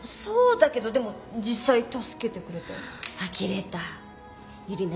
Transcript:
そうだけどでも実際助けてくれたよ？